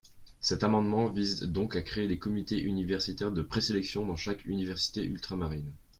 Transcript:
Cet amendement vise donc à créer des comités universitaires de présélection dans chaque université ultramarine.